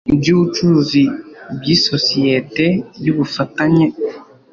by ubucuruzi by isosiyete y ubufatanye